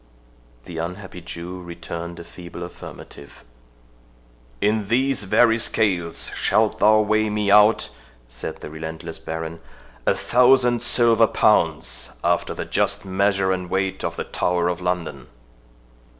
The unhappy Jew returned a feeble affirmative. "In these very scales shalt thou weigh me out," said the relentless Baron, "a thousand silver pounds, after the just measure and weight of the Tower of London."